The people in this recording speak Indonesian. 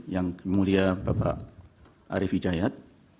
yang mulia bapak arief hidayat